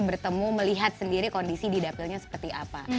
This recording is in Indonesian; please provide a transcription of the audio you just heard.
bertemu melihat sendiri kondisi di dapilnya seperti apa